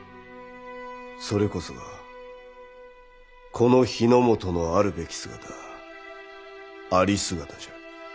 それこそがこの日ノ本のあるべき姿ありすがたじゃ。